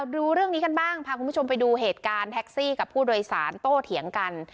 ดูเรื่องนี้กันบ้างพาคุณผู้ชมไปดูเหตุการณ์แท็กซี่กับผู้โดยสารโต้เถียงกัน